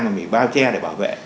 mà mình bao che để bảo vệ